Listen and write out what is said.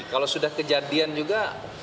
kalau sudah kejadian juga